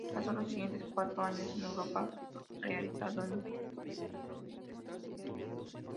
Pasó los siguientes cuatro años en Europa, realizando investigaciones sobre educación nacional.